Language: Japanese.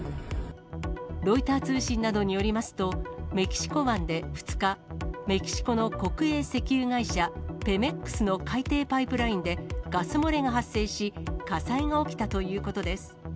ロイター通信などによりますと、メキシコ湾で２日、メキシコの国営石油会社、ペメックスの海底パイプラインでガス漏れが発生し、火災が起きたということです。